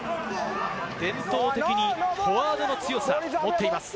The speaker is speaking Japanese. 伝統的にフォワードの強さを持っています。